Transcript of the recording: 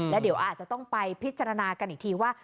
แล้วเดี๋ยวอาจจะต้องไปพิจารณากันอีกทีว่า